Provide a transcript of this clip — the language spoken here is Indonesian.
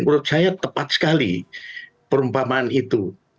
menurut saya tepat sekali perumpamaan itu